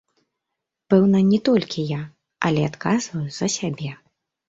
Пэўна, не толькі я, але адказваю за сябе.